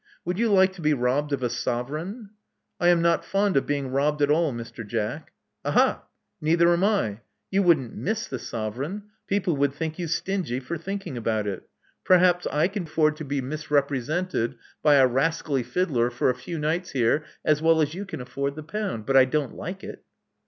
Would you like to be robbed of a sovereign?" "I am not fond of being robbed at all, Mr. Jack. " "Aha! Neither am L You wouldn't miss the sovereign—people would think you stingy for thinking about \i. Perhaps I can afford to be misrepresent^ 242 Love Among the Artists by a rascally fiddler for a few nights here as well as you can afford the pound. But I don't like it."